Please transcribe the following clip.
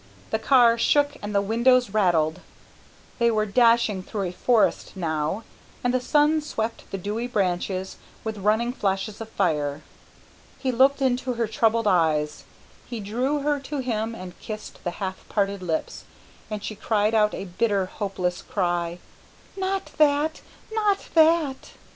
The car shook and the windows rattled. They were dashing through a forest now, and the sun swept the dewy branches with running flashes of fire. He looked into her troubled eyes; he drew her to him and kissed the half parted lips, and she cried out, a bitter, hopeless cry, "Not that not that!"